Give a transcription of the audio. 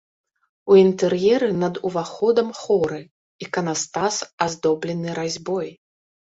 У інтэр'еры над уваходам хоры, іканастас аздоблены разьбой.